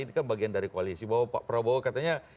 ini kan bagian dari koalisi bahwa pak prabowo katanya